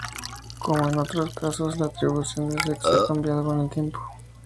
Como en otros casos, la atribución de sexo ha cambiado con el tiempo.